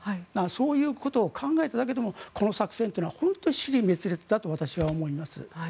そういうことを考えただけでもこの作戦というのは本当に支離滅裂だと私は思います。